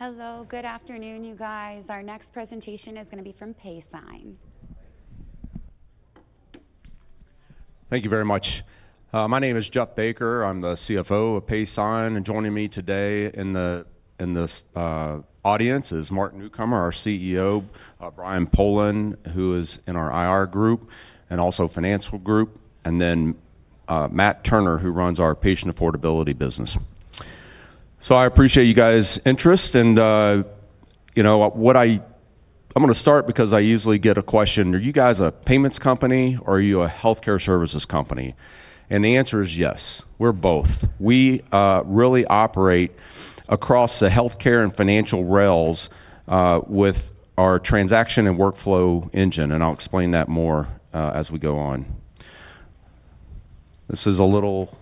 Hello. Good afternoon, you guys. Our next presentation is going to be from Paysign. Thank you very much. My name is Jeff Baker. I'm the Chief Financial Officer of Paysign, and joining me today in this audience is Mark Newcomer, our Chief Executive Officer, Brian Polan, who is in our IR group and also financial group, and Matt Turner, who runs our patient affordability business. I appreciate you guys' interest, and I'm going to start because I usually get a question, "Are you guys a payments company, or are you a healthcare services company?" The answer is yes, we're both. We really operate across the healthcare and financial rails with our transaction and workflow engine, and I'll explain that more as we go on. This is a little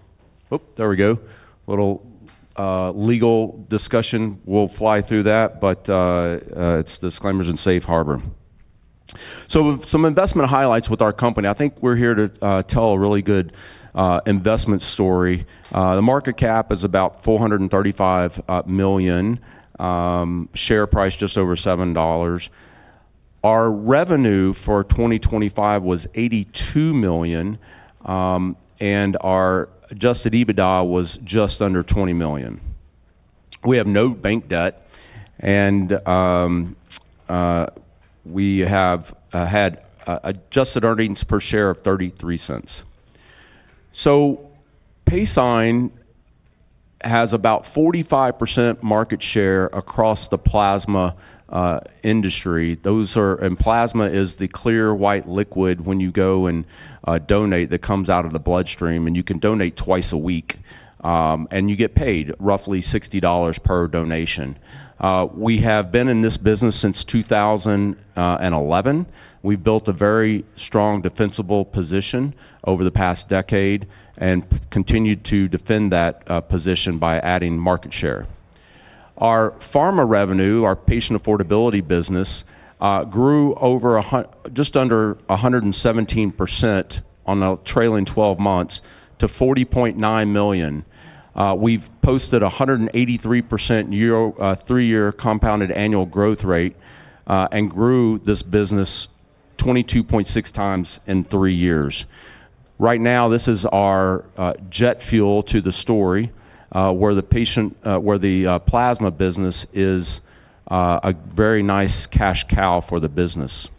legal discussion. We'll fly through that, but it's disclaimers and safe harbor. Some investment highlights with our company. I think we're here to tell a really good investment story. The market cap is about $435 million. Share price just over $7. Our revenue for 2025 was $82 million, and our adjusted EBITDA was just under $20 million. We have no bank debt, and we have had adjusted earnings per share of $0.33. Paysign has about 45% market share across the plasma industry. Plasma is the clear white liquid when you go and donate that comes out of the bloodstream, and you can donate twice a week, and you get paid roughly $60 per donation. We have been in this business since 2011. We've built a very strong defensible position over the past decade and continue to defend that position by adding market share. Our pharma revenue, our patient affordability business, grew just under 117% on a trailing 12 months to $40.9 million. We've posted 183% three-year compounded annual growth rate, and grew this business 22.6x in three years. Right now, this is our jet fuel to the story, where the plasma business is a very nice cash cow for the business.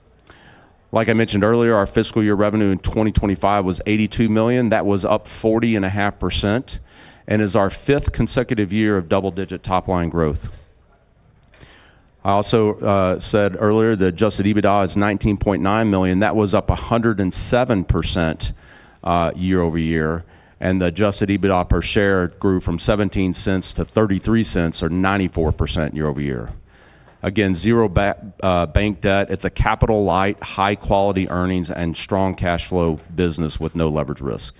Like I mentioned earlier, our fiscal year revenue in 2025 was $82 million. That was up 40.5%, and is our fifth consecutive year of double-digit top-line growth. I also said earlier that adjusted EBITDA is $19.9 million. That was up 107% year-over-year, and the adjusted EBITDA per share grew from $0.17-$0.33 or 94% year-over-year. Again, zero bank debt. It's a capital-light, high-quality earnings and strong cash flow business with no leverage risk.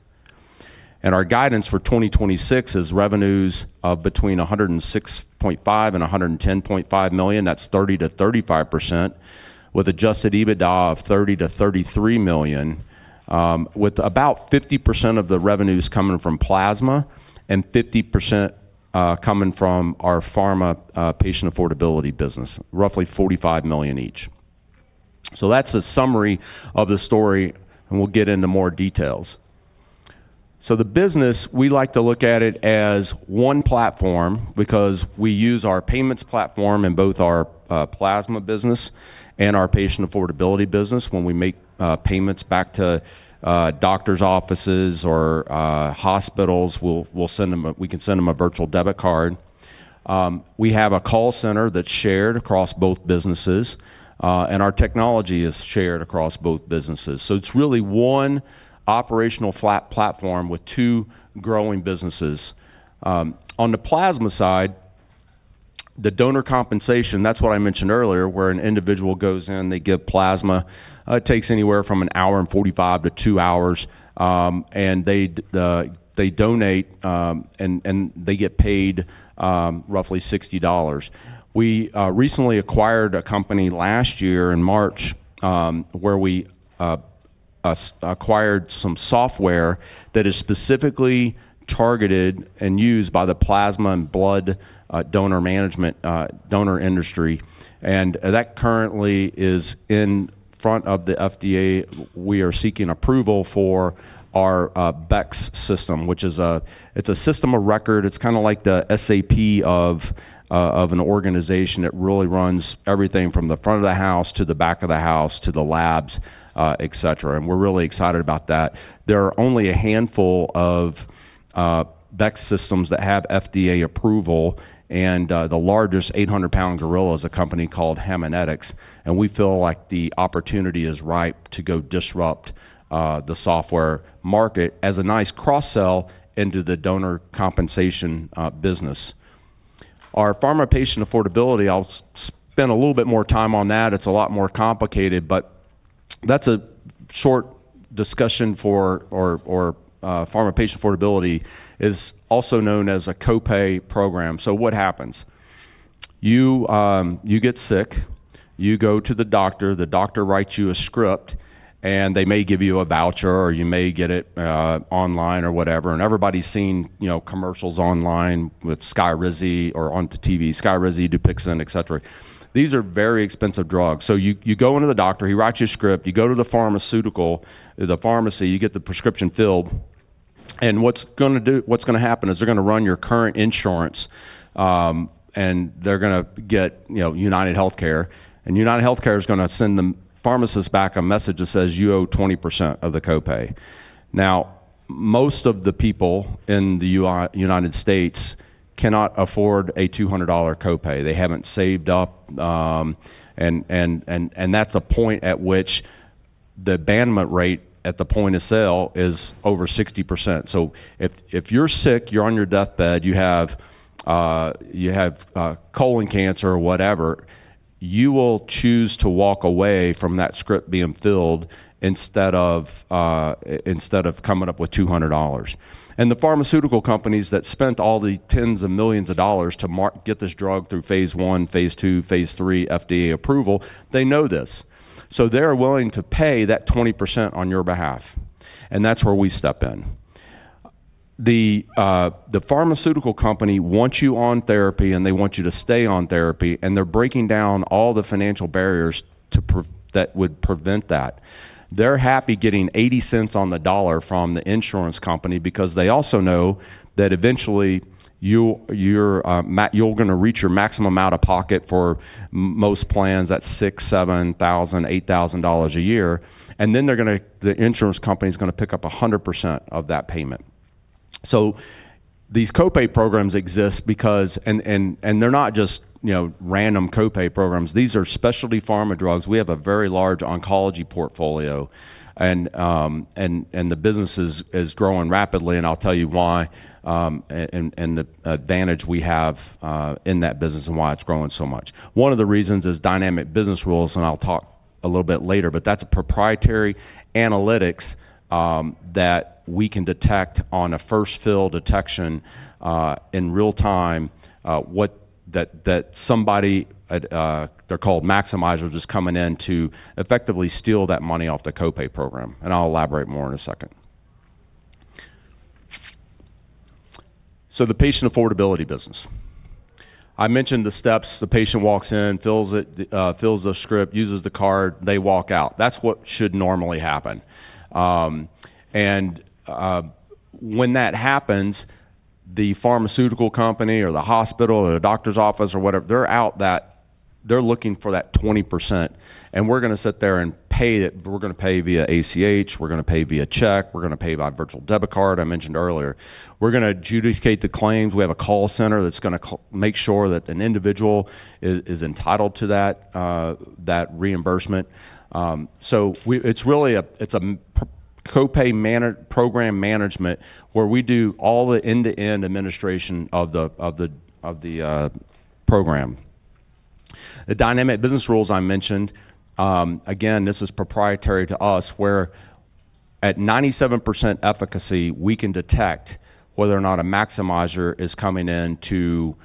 Our guidance for 2026 is revenues of between $106.5 million-$110.5 million, that's 30%-35%, with adjusted EBITDA of $30 million-$33 million, with about 50% of the revenues coming from plasma and 50% coming from our pharma patient affordability business, roughly $45 million each. That's a summary of the story, and we'll get into more details. The business, we like to look at it as one platform because we use our payments platform in both our plasma business and our patient affordability business. When we make payments back to doctors' offices or hospitals, we can send them a virtual debit card. We have a call center that's shared across both businesses, and our technology is shared across both businesses. It's really one operational platform with two growing businesses. On the plasma side, the donor compensation, that's what I mentioned earlier, where an individual goes in, they give plasma. It takes anywhere from an hour and 45 minutes to 2 hours, and they donate, and they get paid roughly $60. We recently acquired a company last year in March, where we acquired some software that is specifically targeted and used by the plasma and blood donor management donor industry. That currently is in front of the FDA. We are seeking approval for our BECS system. It's a system of record. It's kind of like the SAP of an organization. It really runs everything from the front of the house to the back of the house, to the labs, et cetera, and we're really excited about that. There are only a handful of BECS systems that have FDA approval. The largest 800-pound gorilla is a company called Haemonetics, and we feel like the opportunity is ripe to go disrupt the software market as a nice cross-sell into the donor compensation business. Our pharma patient affordability, I'll spend a little bit more time on that. It's a lot more complicated, but that's a short discussion. Pharma patient affordability is also known as a co-pay program. What happens? You get sick. You go to the doctor, the doctor writes you a script, and they may give you a voucher, or you may get it online or whatever, and everybody's seen commercials online with SKYRIZI or on the TV, SKYRIZI, DUPIXENT, et cetera. These are very expensive drugs. You go into the doctor, he writes you a script, you go to the pharmacy, you get the prescription filled, and what's going to happen is they're going to run your current insurance, and they're going to get UnitedHealthcare, and UnitedHealthcare is going to send the pharmacist back a message that says, "You owe 20% of the copay." Most of the people in the U.S. cannot afford a $200 copay. They haven't saved up, and that's a point at which the abandonment rate at the point of sale is over 60%. If you're sick, you're on your deathbed, you have colon cancer or whatever, you will choose to walk away from that script being filled instead of coming up with $200. The pharmaceutical companies that spent all the tens of millions of dollars to get this drug through phase I, phase II, phase III FDA approval, they know this. They're willing to pay that 20% on your behalf, that's where we step in. The pharmaceutical company wants you on therapy, they want you to stay on therapy, they're breaking down all the financial barriers that would prevent that. They're happy getting $0.80 on the dollar from the insurance company because they also know that eventually you're going to reach your maximum out-of-pocket for most plans. That's $6,000, $7,000, $8,000 a year, the insurance company's going to pick up 100% of that payment. These copay programs exist because they're not just random copay programs. These are specialty pharma drugs. We have a very large oncology portfolio, the business is growing rapidly, I'll tell you why, the advantage we have in that business and why it's growing so much. One of the reasons is dynamic business rules, and I'll talk a little bit later, but that's proprietary analytics that we can detect on a first fill detection, in real time, that somebody, they're called maximizers, is coming in to effectively steal that money off the copay program. I'll elaborate more in a second. The patient affordability business. I mentioned the steps. The patient walks in, fills the script, uses the card, they walk out. That's what should normally happen. When that happens, the pharmaceutical company or the hospital or the doctor's office or whatever, they're looking for that 20%, we're going to sit there and pay it. We're going to pay via ACH. We're going to pay via check. We're going to pay by virtual debit card, I mentioned earlier. We're going to adjudicate the claims. We have a call center that's going to make sure that an individual is entitled to that reimbursement. It's really copay program management where we do all the end-to-end administration of the program. The dynamic business rules I mentioned, again, this is proprietary to us, where at 97% efficacy, we can detect whether or not a maximizer is coming in to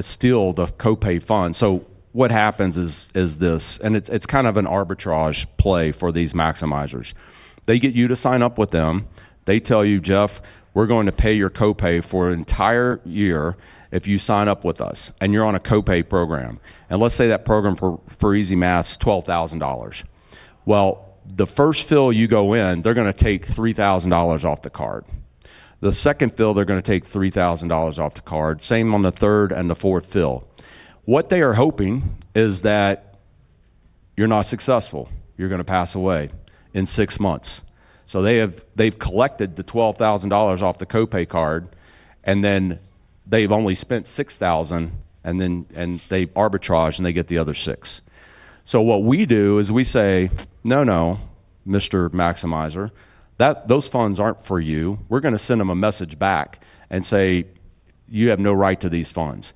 steal the copay fund. What happens is this, and it's kind of an arbitrage play for these maximizers. They get you to sign up with them. They tell you, "Jeff, we're going to pay your copay for an entire year if you sign up with us," you're on a copay program. Let's say that program, for easy math, $12,000. The first fill you go in, they're going to take $3,000 off the card. The second fill, they're going to take $3,000 off the card. Same on the third and fourth fill. What they are hoping is that you're not successful. You're going to pass away in six months. They've collected the $12,000 off the copay card, they've only spent $6,000, they arbitrage and they get the other six. What we do is we say, "No, no, Mr. Maximizer. Those funds aren't for you." We're going to send them a message back and say, "You have no right to these funds."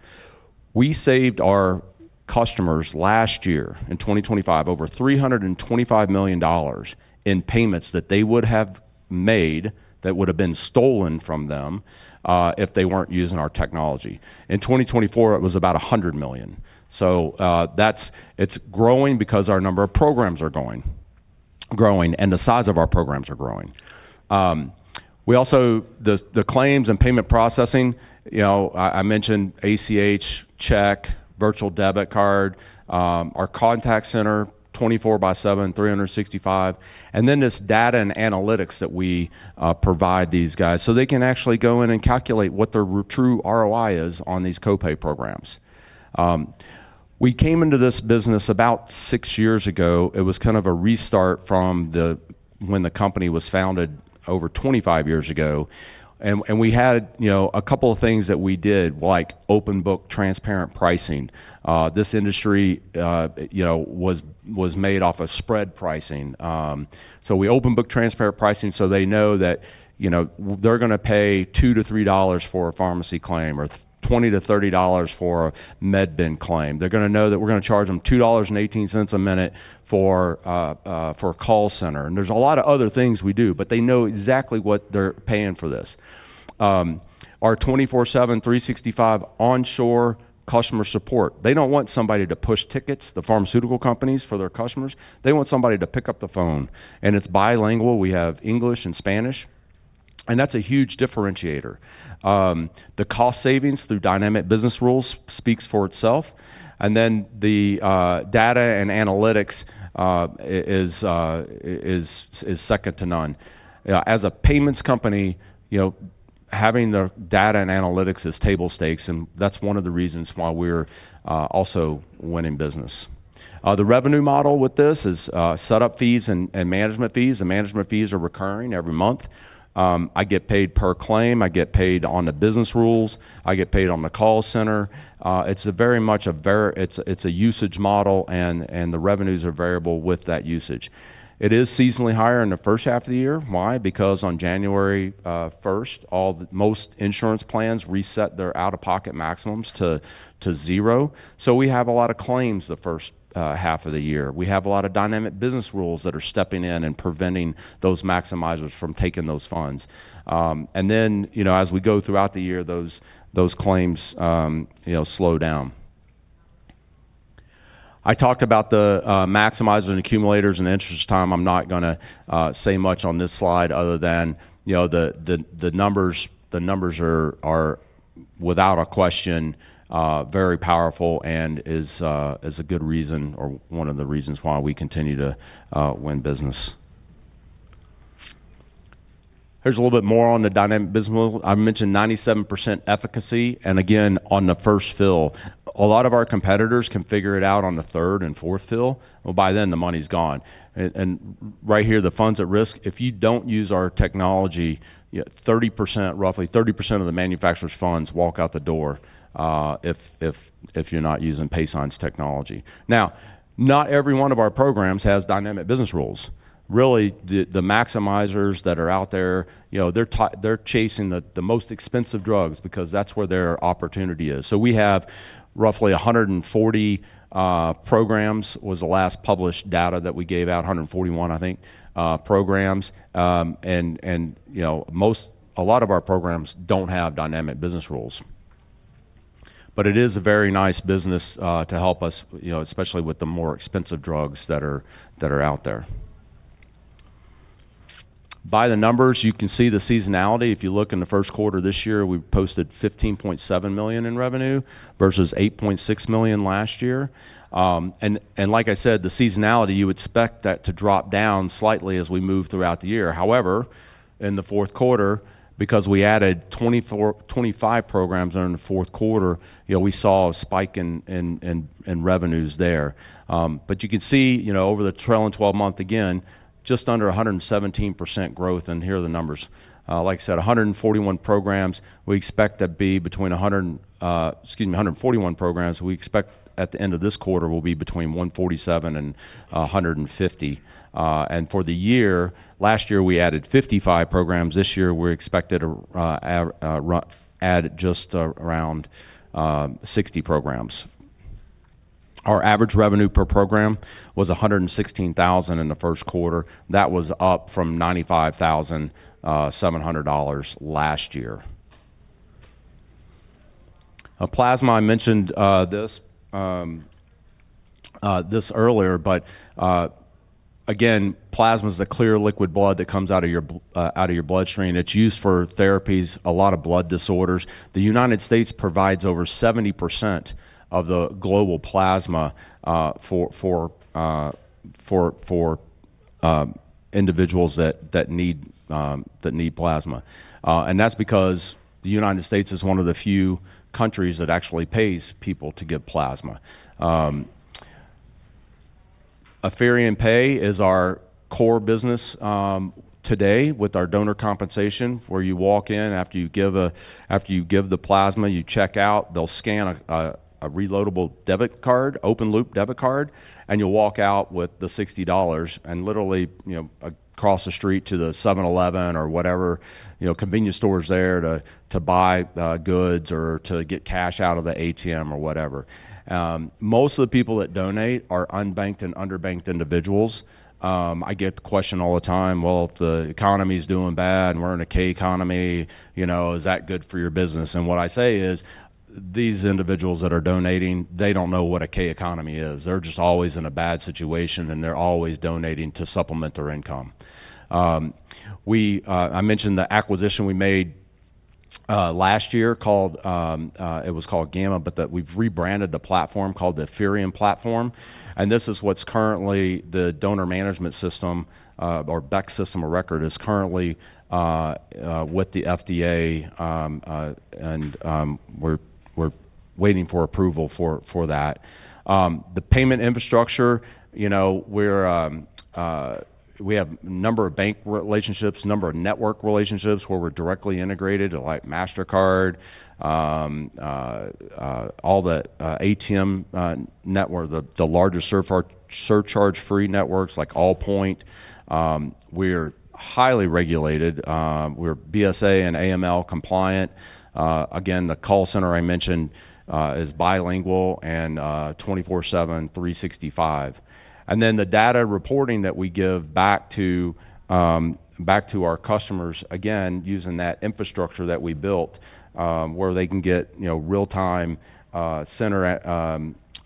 We saved our customers, last year in 2025, over $325 million in payments that they would have made that would have been stolen from them if they weren't using our technology. In 2024, it was about $100 million. It's growing because our number of programs are growing, and the size of our programs are growing. The claims and payment processing, I mentioned ACH, check, virtual debit card, our contact center, 24/7, 365 days, and then this data and analytics that we provide these guys so they can actually go in and calculate what their true ROI is on these copay programs. We came into this business about six years ago. It was kind of a restart from when the company was founded over 25 years ago, and we had a couple of things that we did, like open book transparent pricing. This industry was made off of spread pricing. We open book transparent pricing so they know that they're going to pay $2-$3 for a pharmacy claim or $20-$30 for a med bin claim. They're going to know that we're going to charge them $2.18 a minute for a call center. There's a lot of other things we do, but they know exactly what they're paying for this. Our 24/7, 365 days onshore customer support. They don't want somebody to push tickets, the pharmaceutical companies, for their customers. They want somebody to pick up the phone. It's bilingual. We have English and Spanish. That's a huge differentiator. The cost savings through dynamic business rules speaks for itself. The data and analytics is second to none. As a payments company, having the data and analytics is table stakes, and that's one of the reasons why we're also winning business. The revenue model with this is set up fees and management fees. The management fees are recurring every month. I get paid per claim. I get paid on the business rules. I get paid on the call center. It's a usage model. The revenues are variable with that usage. It is seasonally higher in the first half of the year. Why? Because on January 1st, most insurance plans reset their out-of-pocket maximums to zero. We have a lot of claims the first half of the year. We have a lot of dynamic business rules that are stepping in and preventing those maximizers from taking those funds. As we go throughout the year, those claims slow down. I talked about the maximizers and accumulators in the interest of time. I'm not going to say much on this slide, other than the numbers are without a question very powerful and is a good reason or one of the reasons why we continue to win business. Here's a little bit more on the dynamic business model. I mentioned 97% efficacy. Again, on the first fill. A lot of our competitors can figure it out on the third fill and fourth fill. By then, the money's gone. Right here, the funds at risk, if you don't use our technology, roughly 30% of the manufacturer's funds walk out the door if you're not using Paysign's technology. Not every one of our programs has dynamic business rules. The maximizers that are out there, they're chasing the most expensive drugs because that's where their opportunity is. We have roughly 140 programs, was the last published data that we gave out, 141, I think, programs. A lot of our programs don't have dynamic business rules. It is a very nice business to help us, especially with the more expensive drugs that are out there. By the numbers, you can see the seasonality. If you look in the first quarter this year, we posted $15.7 million in revenue versus $8.6 million last year. Like I said, the seasonality, you would expect that to drop down slightly as we move throughout the year. In the fourth quarter, because we added 25 programs during the fourth quarter, we saw a spike in revenues there. You could see, over the trailing 12 month again, just under 117% growth, here are the numbers. Like I said, 141 programs. We expect at the end of this quarter will be between 147 programs-150 programs. For the year, last year, we added 55 programs. This year, we're expected to add just around 60 programs. Our average revenue per program was $116,000 in the first quarter. That was up from $95,700 last year. Plasma, I mentioned this earlier. Again, plasma is the clear liquid blood that comes out of your bloodstream, and it's used for therapies, a lot of blood disorders. The United States provides over 70% of the global plasma for individuals that need plasma. That's because the United States is one of the few countries that actually pays people to give plasma. Apheric Pay is our core business today with our donor compensation, where you walk in after you give the plasma, you check out. They'll scan a reloadable debit card, open-loop debit card, and you'll walk out with the $60 and literally across the street to the 7-Eleven or whatever convenience store is there to buy goods or to get cash out of the ATM or whatever. Most of the people that donate are unbanked and underbanked individuals. I get the question all the time, "If the economy's doing bad and we're in a K economy, is that good for your business?" What I say is these individuals that are donating, they don't know what a K economy is. They're just always in a bad situation, they're always donating to supplement their income. I mentioned the acquisition we made last year. It was called Gamma, but that we've rebranded the platform called the Apheric Platform. This is what's currently the donor management system, or BECS system of record, is currently with the FDA, and we're waiting for approval for that. The payment infrastructure, we have number of bank relationships, number of network relationships where we're directly integrated like Mastercard, all the ATM network, the largest surcharge-free networks like Allpoint. We are highly regulated. We're BSA and AML compliant. Again, the call center I mentioned is bilingual and 24/7, 365 days. The data reporting that we give back to our customers, again, using that infrastructure that we built, where they can get real-time center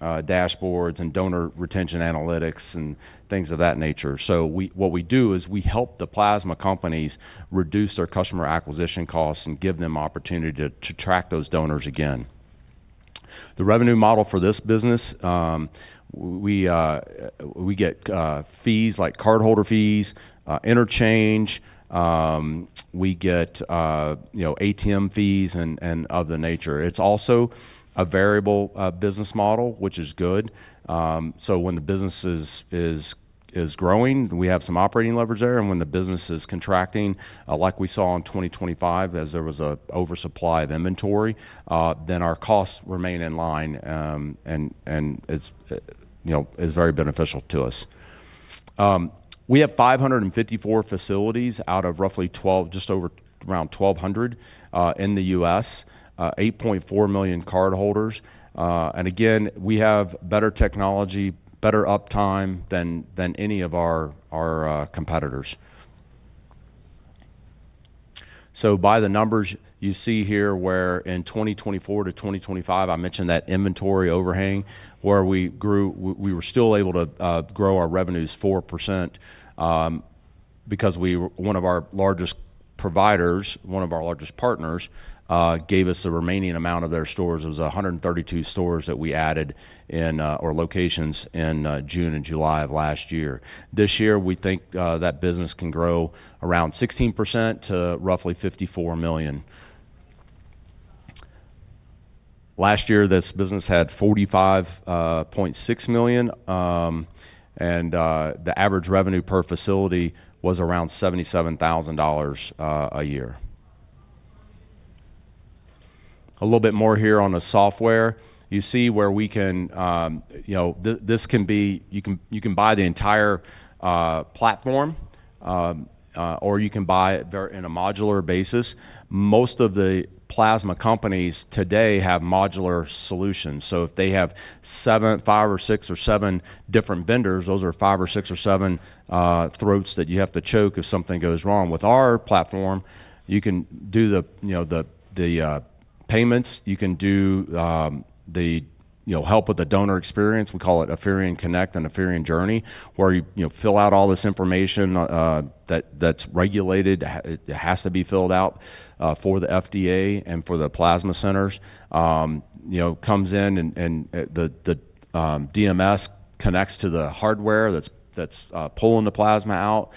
dashboards and donor retention analytics and things of that nature. What we do is we help the plasma companies reduce their customer acquisition costs and give them opportunity to track those donors again. The revenue model for this business, we get fees like cardholder fees, interchange. We get ATM fees and of the nature. It's also a variable business model, which is good. When the business is growing, we have some operating leverage there. When the business is contracting, like we saw in 2025, as there was an oversupply of inventory, our costs remain in line, and it's very beneficial to us. We have 554 facilities out of roughly just over around 1,200 facilities in the U.S., 8.4 million cardholders. Again, we have better technology, better uptime than any of our competitors. By the numbers you see here, where in 2024-2025, I mentioned that inventory overhang, where we were still able to grow our revenues 4%, because one of our largest providers, one of our largest partners, gave us the remaining amount of their stores. It was 132 stores that we added, or locations, in June and July of last year. This year, we think that business can grow around 16% to roughly $54 million. Last year, this business had $45.6 million, and the average revenue per facility was around $77,000 a year. A little bit more here on the software. You can buy the entire platform, or you can buy it in a modular basis. Most of the plasma companies today have modular solutions. If they have five or six or seven different vendors, those are five or six or seven throats that you have to choke if something goes wrong. With our platform, you can do the payments. You can do the help with the donor experience. We call it Apheric Connect and Apheric Journey, where you fill out all this information that's regulated. It has to be filled out for the FDA and for the plasma centers. It comes in and the DMS connects to the hardware that's pulling the plasma out,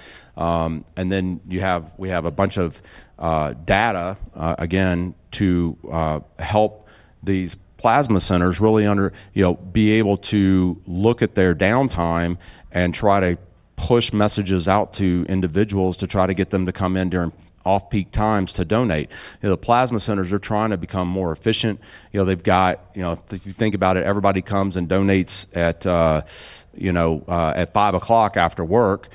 and then we have a bunch of data, again, to help these plasma centers really be able to look at their downtime and try to push messages out to individuals to try to get them to come in during off-peak times to donate. The plasma centers are trying to become more efficient. If you think about it, everybody comes and donates at 5:00 P.M. after work.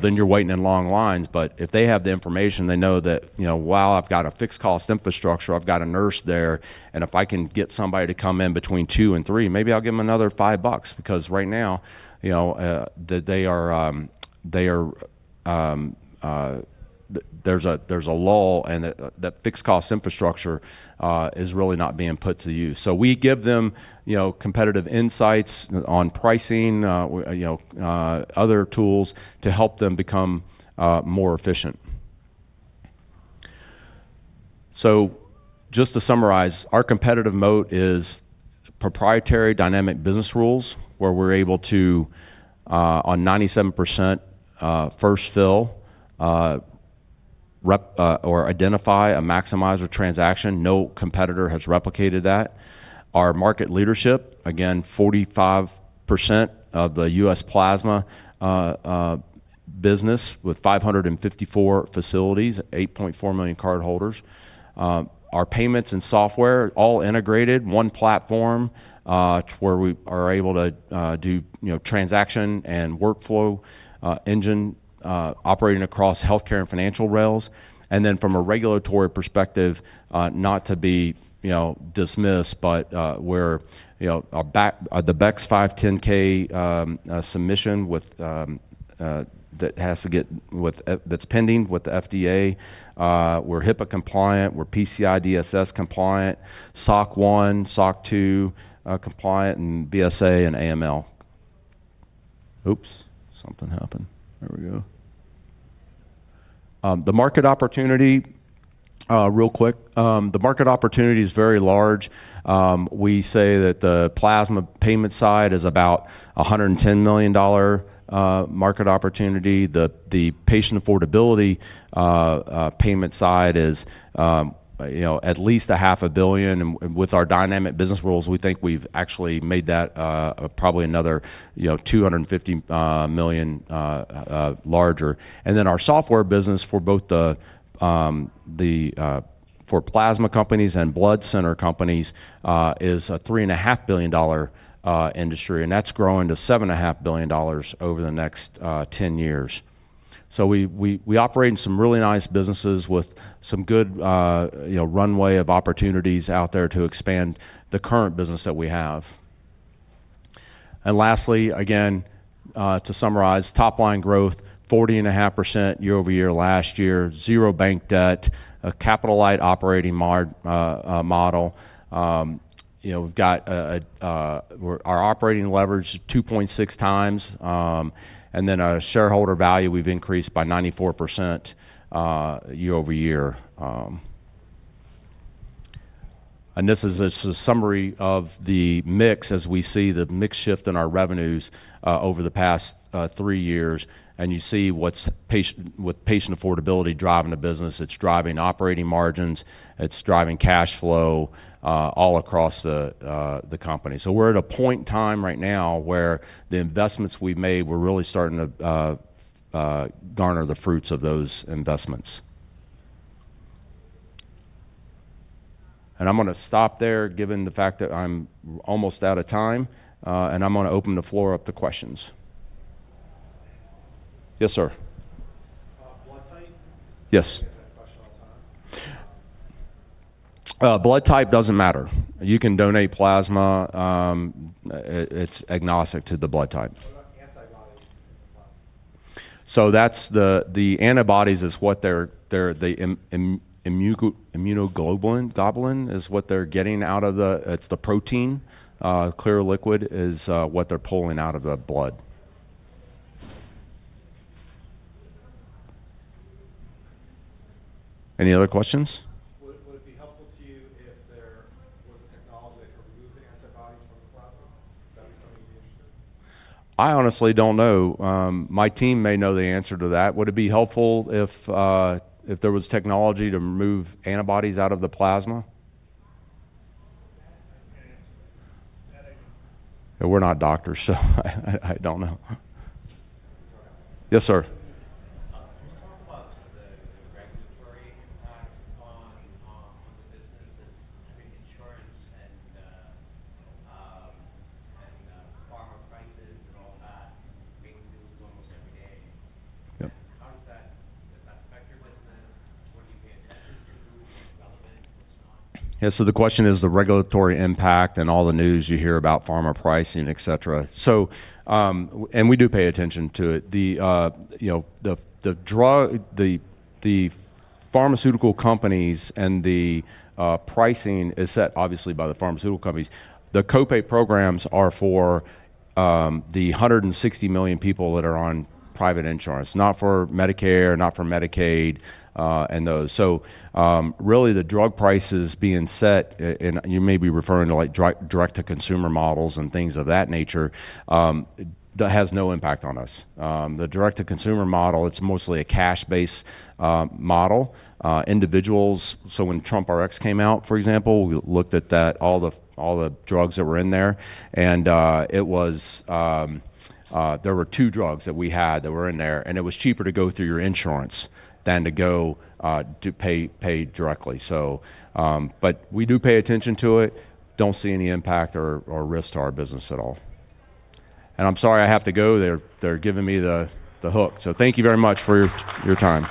Then you're waiting in long lines. If they have the information, they know that, "Wow, I've got a fixed cost infrastructure. I've got a nurse there, and if I can get somebody to come in between 2:00 P.M.-3:00 P.M., maybe I'll give them another $5." Because right now, there's a lull, and that fixed cost infrastructure is really not being put to use. We give them competitive insights on pricing, other tools to help them become more efficient. Just to summarize, our competitive moat is proprietary dynamic business rules, where we're able to, on 97% first fill, rep or identify a maximizer transaction. No competitor has replicated that. Our market leadership, again, 45% of the U.S. plasma business with 554 facilities, 8.4 million cardholders. Our payments and software, all integrated, one platform, to where we are able to do transaction and workflow engine operating across healthcare and financial rails. From a regulatory perspective, not to be dismissed, but the BECS 510(k) submission that's pending with the FDA. We're HIPAA compliant. We're PCI DSS compliant, SOC 1, SOC 2 compliant, and BSA and AML. Oops, something happened. There we go. The market opportunity, real quick. The market opportunity is very large. We say that the plasma payment side is about $110 million market opportunity. The patient affordability payment side is at least a $500 million. With our dynamic business rules, we think we've actually made that probably another $250 million larger. Our software business for plasma companies and blood center companies is a $3.5 billion industry, that's growing to $7.5 billion over the next 10 years. We operate in some really nice businesses with some good runway of opportunities out there to expand the current business that we have. Lastly, again, to summarize, top line growth, 40.5% year-over-year last year. Zero bank debt. A capital-light operating model. Our operating leverage, 2.6x. Our shareholder value, we've increased by 94% year-over-year. This is a summary of the mix as we see the mix shift in our revenues over the past three years. You see with patient affordability driving the business, it's driving operating margins, it's driving cash flow all across the company. We're at a point in time right now where the investments we've made, we're really starting to garner the fruits of those investments. I'm going to stop there, given the fact that I'm almost out of time, I'm going to open the floor up to questions. Yes, sir. Blood type? Yes. I get that question all the time. Blood type doesn't matter. You can donate plasma. It's agnostic to the blood type. What about the antibodies in the plasma? The antibodies, the immunoglobulin is what they're getting out. It's the protein, clear liquid is what they're pulling out of the blood. Any other questions? Would it be helpful to you if there was technology for removing antibodies from the plasma? Is that something you'd be interested in? I honestly don't know. My team may know the answer to that. Would it be helpful if there was technology to remove antibodies out of the plasma? I can't answer that. We're not doctors, so I don't know. Yes, sir. Can you talk about the regulatory impact on the business as between insurance and pharma prices and all that being news almost every day? Yep. How does that affect your business? What do you pay attention to? The question is the regulatory impact and all the news you hear about pharma pricing, et cetera. We do pay attention to it. The pharmaceutical companies and the pricing is set obviously by the pharmaceutical companies. The co-pay programs are for the 160 million people that are on private insurance, not for Medicare, not for Medicaid, and those. Really the drug prices being set, and you may be referring to direct-to-consumer models and things of that nature, that has no impact on us. The direct-to-consumer model, it's mostly a cash-based model. Individuals, when TrumpRx came out, for example, we looked at that, all the drugs that were in there, and there were two drugs that we had that were in there, and it was cheaper to go through your insurance than to pay directly. We do pay attention to it. Don't see any impact or risk to our business at all. I'm sorry, I have to go. They're giving me the hook. Thank you very much for your time.